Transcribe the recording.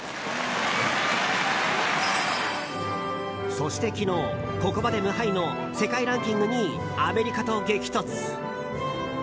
そして昨日、ここまで無敗の世界ランキング２位アメリカと激突。